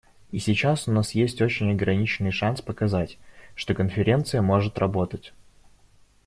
И сейчас у нас есть очень ограниченный шанс показать, что Конференция может работать.